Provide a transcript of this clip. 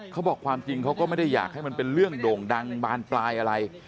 เขาบอกความจริงเขาก็ไม่ได้อยากให้มันเป็นเรื่องโด่งดังบานปลายอะไร